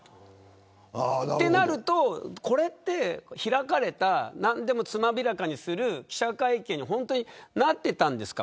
となると開かれた何でもつまびらかにする記者会見になってたんですか。